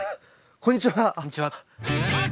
こんにちは。